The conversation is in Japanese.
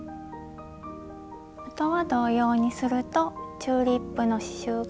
あとは同様にするとチューリップの刺しゅうができました。